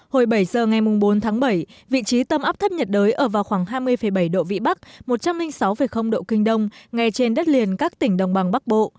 hồi bảy giờ ngày bốn tháng bảy vị trí tâm áp thấp nhiệt đới ở vào khoảng hai mươi bảy độ vĩ bắc một trăm linh sáu độ kinh đông ngay trên đất liền các tỉnh đồng bằng bắc bộ